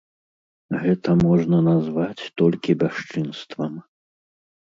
Гэта можна назваць толькі бясчынствам.